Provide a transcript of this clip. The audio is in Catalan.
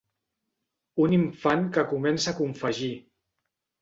Un infant que comença a confegir.